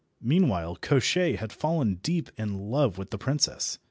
Meanwhile Koshchei had fallen deep in love with the princess.